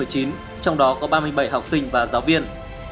trong đó có ba mươi bảy học sinh và giáo viên